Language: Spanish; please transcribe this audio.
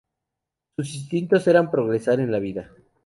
Sus instintos eran progresar en la vida.